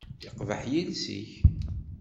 Yeqbeḥ yiles-ik.